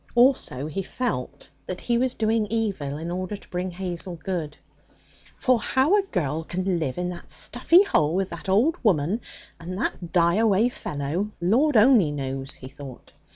Also, he felt that he was doing evil in order to bring Hazel good. 'For how a girl can live in that stuffy hole with that old woman and that die away fellow, Lord only knows!' he thought.